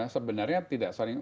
sebenarnya tidak saling